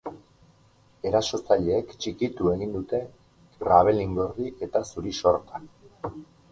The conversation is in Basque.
Erasotzaileek txikitu egin dute krabelin gorri eta zuri sorta.